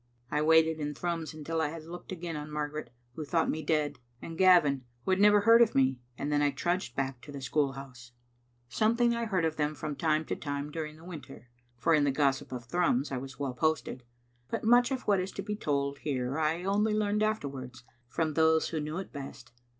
I waited in Thrums until I had looked again on Margaret, who thought me dead, and Gavin, who had never heard of me, and then I trudged back to the school house. Something I heard of them from time to time during the winter — for in the Digitized by VjOOQ IC 6 TTbe little Minidtet. gossip of Thrums I was well posted — ^btit much of what is to be told here I only learned afterwards from those who knew it best.